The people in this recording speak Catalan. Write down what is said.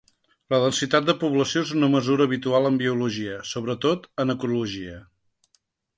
La densitat de població és una mesura habitual en biologia, sobretot en ecologia.